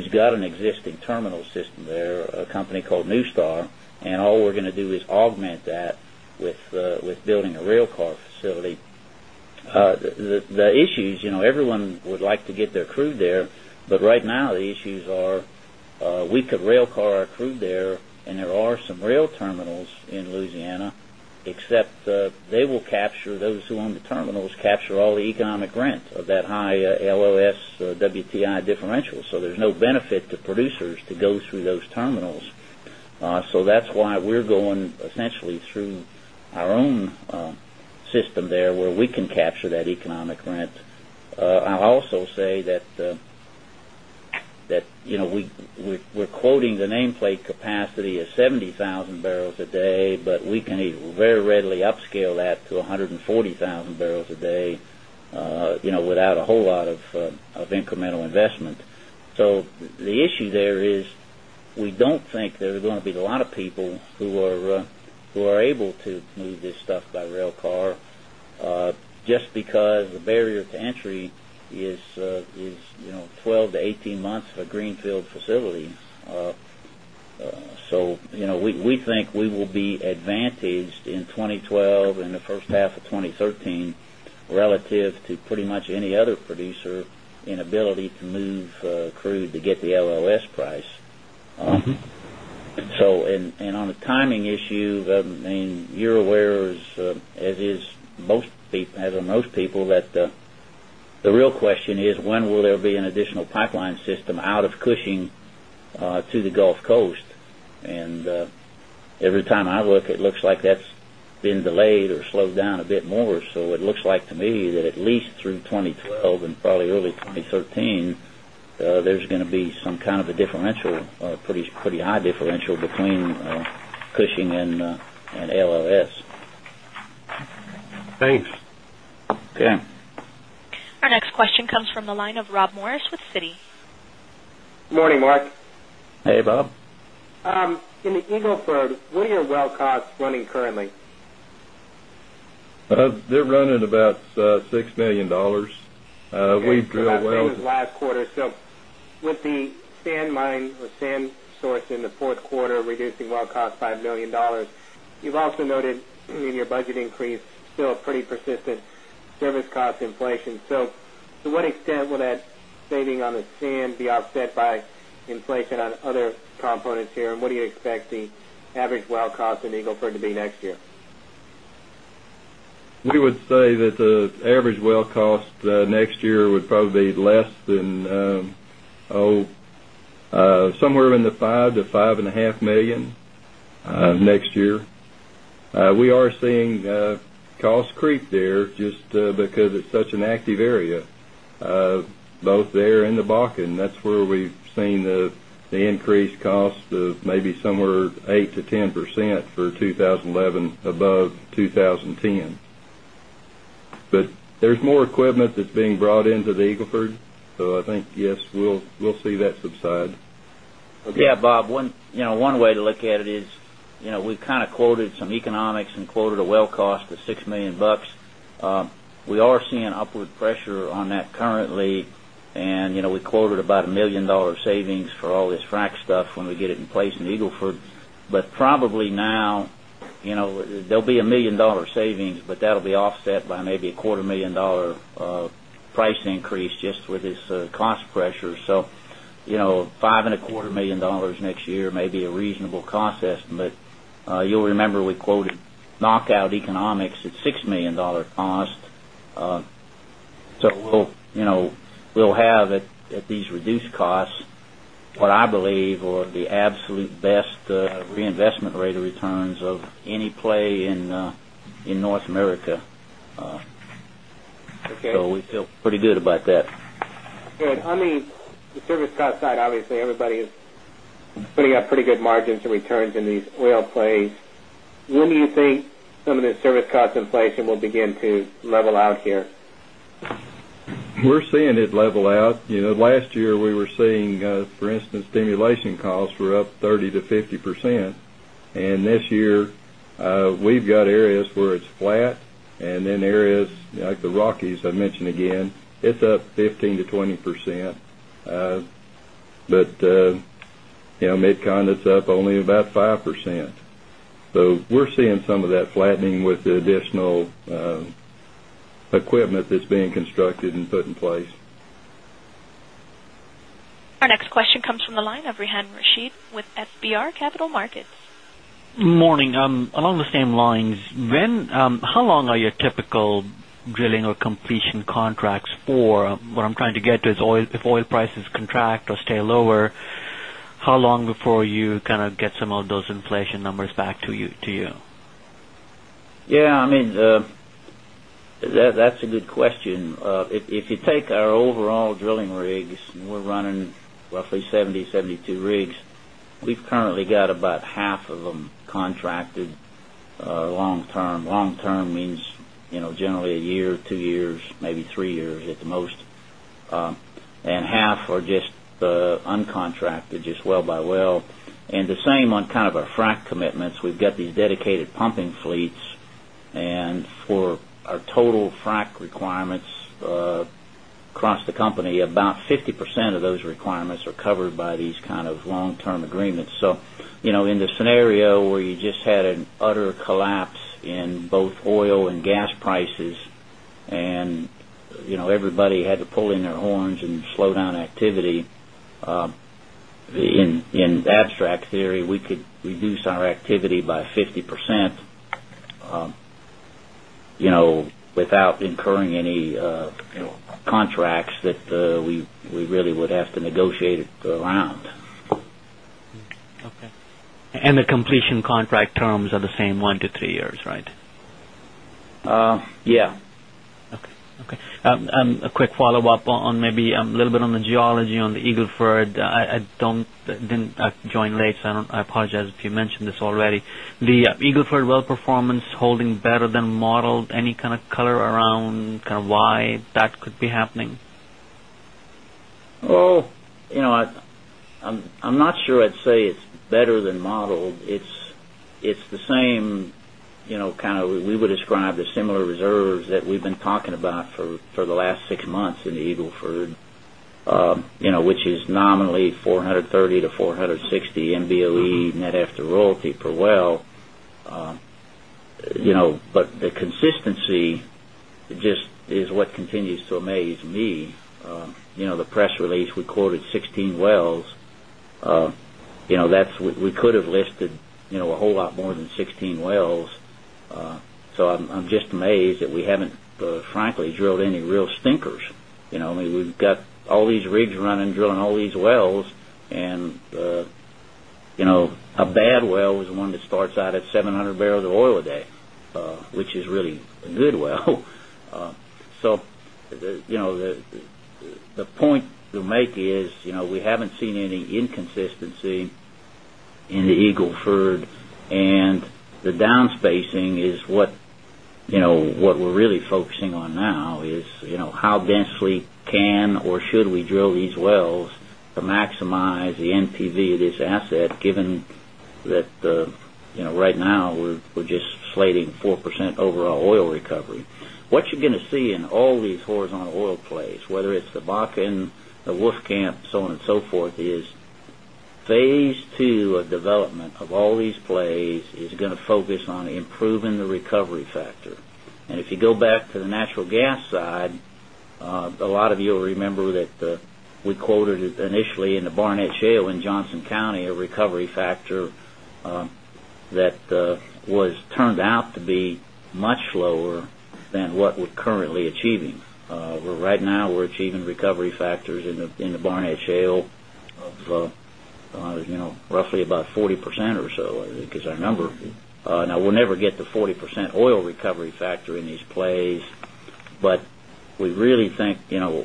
got an existing terminal system there, a company called NewStar, and all we're going to do is augment that with building a rail car facility. The issues, you know, everyone would like to get their crude there, but right now the issues are we could rail car our crude there, and there are some rail terminals in Louisiana, except they will capture, those who own the terminals, capture all the economic rent of that high LLS WTI differential. There's no benefit to producers to go through those terminals. That's why we're going essentially through our own system there where we can capture that economic rent. I'll also say that, you know, we're quoting the nameplate capacity as 70,000 barrels a day, but we can very readily upscale that to 140,000 barrels a day, you know, without a whole lot of incremental investment. The issue there is we don't think there's going to be a lot of people who are able to move this stuff by rail car just because the barrier to entry is, you know, 12 to 18 months for a Greenfield facility. We think we will be advantaged in 2012 and the first half of 2013 relative to pretty much any other producer in ability to move crude to get the LLS price. On the timing issue, I mean, you're aware, as are most people, that the real question is when will there be an additional pipeline system out of Cushing to the Gulf Coast. Every time I look, it looks like that's been delayed or slowed down a bit more. It looks like to me that at least through 2012 and probably early 2013, there's going to be some kind of a differential, a pretty high differential between Cushing and LLS. Thanks. Yeah. Our next question comes from the line of Rob Morris with Citi. Morning, Mark. Hey, Bob. In the Eagle Ford, what are your well costs running currently? They're running about $6 million. We've drilled wells. With the last quarter, with the sand mine or sand source in the fourth quarter, reducing well costs $5 million, you've also noted in your budget increase still a pretty persistent service cost inflation. To what extent will that saving on the sand be offset by inflation on other components here? What do you expect the average well cost in Eagle Ford to be next year? We would say that the average well cost next year would probably be less than, oh, somewhere in the $5 million-$5.5 million next year. We are seeing costs creep there just because it's such an active area, both there and the Bakken. That's where we've seen the increased costs of maybe somewhere 8%-10% for 2011 above 2010. There's more equipment that's being brought into the Eagle Ford, so I think, yes, we'll see that subside. Yeah, Bob, you know, one way to look at it is, you know, we've kind of quoted some economics and quoted a well cost of $6 million. We are seeing upward pressure on that currently, and you know, we quoted about a $1 million savings for all this frac stuff when we get it in place in the Eagle Ford, but probably now, you know, there'll be a $1 million savings, but that'll be offset by maybe a $0.25 million price increase just with this cost pressure. $5.25 million next year may be a reasonable cost estimate. You'll remember we quoted knockout economics at $6 million cost. At these reduced costs, what I believe are the absolute best reinvestment rate of returns of any play in North America. We feel pretty good about that. Good. On the service cost side, obviously, everybody is putting up pretty good margins and returns in these oil plays. When do you think some of the service cost inflation will begin to level out here? We're seeing it level out. You know, last year we were seeing, for instance, stimulation costs were up 30%-50%. This year, we've got areas where it's flat, and then areas like the Rockies I mentioned again, it's up 15%-20%. You know, mid-continent's up only about 5%. We're seeing some of that flattening with the additional equipment that's being constructed and put in place. Our next question comes from the line of Rehan Rashid with FBR Capital Markets. Morning. Along the same lines, how long are your typical drilling or completion contracts for? What I'm trying to get to is if oil prices contract or stay lower, how long before you kind of get some of those inflation numbers back to you? Yeah, I mean, that's a good question. If you take our overall drilling rigs, and we're running roughly 70, 72 rigs, we've currently got about half of them contracted long term. Long term means, you know, generally a year, two years, maybe three years at the most. Half are just uncontracted, just well by well. The same on kind of our frac commitments. We've got these dedicated pumping fleets. For our total frac requirements across the company, about 50% of those requirements are covered by these kind of long-term agreements. In the scenario where you just had an utter collapse in both oil and gas prices, and you know, everybody had to pull in their horns and slow down activity, in abstract theory, we could reduce our activity by 50% without incurring any contracts that we really would have to negotiate around. Okay. The completion contract terms are the same, one to three years, right? Yeah. Okay. A quick follow-up on maybe a little bit on the geology on the Eagle Ford, I didn't join late, so I apologize if you mentioned this already. The Eagle Ford well performance holding better than modeled, any kind of color around kind of why that could be happening? Oh, you know, I'm not sure I'd say it's better than modeled. It's the same, you know, kind of we would describe the similar reserves that we've been talking about for the last six months in the Eagle Ford, you know, which is nominally 430 to 460 MBOE net after royalty per well. You know, but the consistency just is what continues to amaze me. You know, the press release we quoted 16 wells. You know, we could have listed, you know, a whole lot more than 16 wells. I'm just amazed that we haven't, frankly, drilled any real stinkers. I mean, we've got all these rigs running, drilling all these wells, and you know, a bad well is one that starts out at 700 barrels of oil a day, which is really a good well. The point to make is, you know, we haven't seen any inconsistency in the Eagle Ford, and the downspacing is what, you know, what we're really focusing on now is, you know, how densely can or should we drill these wells to maximize the NPV of this asset, given that, you know, right now we're just slating 4% overall oil recovery. What you're going to see in all these horizontal oil plays, whether it's the Bakken, the Wolfcamp, so on and so forth, is phase two of development of all these plays is going to focus on improving the recovery factor. If you go back to the natural gas side, a lot of you will remember that we quoted initially in the Barnett Shale in Johnson County a recovery factor that turned out to be much lower than what we're currently achieving. Right now, we're achieving recovery factors in the Barnett Shale of, you know, roughly about 40% or so because our number, now we'll never get to 40% oil recovery factor in these plays, but we really think, you know,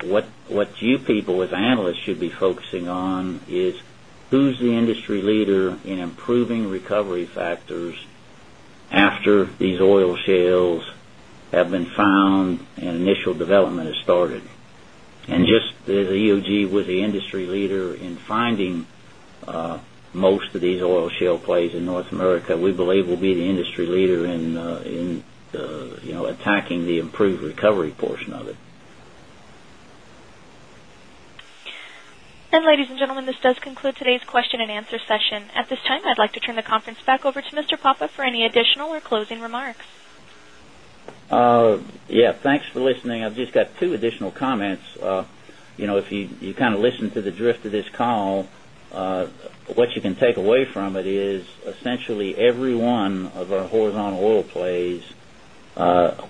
what you people as analysts should be focusing on is who's the industry leader in improving recovery factors after these oil shales have been found and initial development has started. Just as EOG was the industry leader in finding most of these oil shale plays in North America, we believe we'll be the industry leader in, you know, attacking the improved recovery portion of it. Ladies and gentlemen, this does conclude today's question and answer session. At this time, I'd like to turn the conference back over to Mr. Papa for any additional or closing remarks. Yeah, thanks for listening. I've just got two additional comments. If you kind of listen to the drift of this call, what you can take away from it is essentially every one of our horizontal oil plays,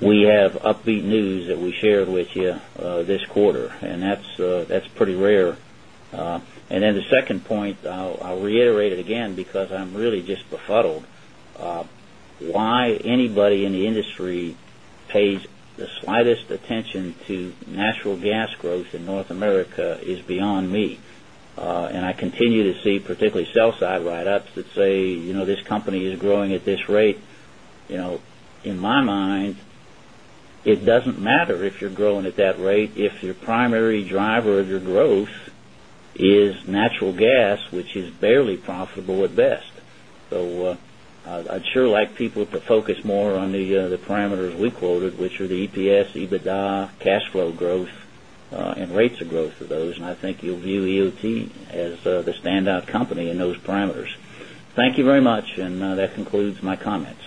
we have upbeat news that we shared with you this quarter, and that's pretty rare. The second point, I'll reiterate it again because I'm really just befuddled. Why anybody in the industry pays the slightest attention to natural gas growth in North America is beyond me. I continue to see particularly sell-side write-ups that say, you know, this company is growing at this rate. In my mind, it doesn't matter if you're growing at that rate if your primary driver of your growth is natural gas, which is barely profitable at best. I'd sure like people to focus more on the parameters we quoted, which are the EPS, EBITDA, cash flow growth, and rates of growth of those. I think you'll view EOG as the standout company in those parameters. Thank you very much, and that concludes my comments.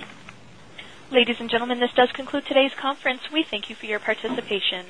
Ladies and gentlemen, this does conclude today's conference. We thank you for your participation.